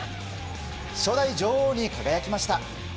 初代女王に輝きました。